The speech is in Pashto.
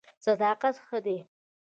صداقت ښه دی.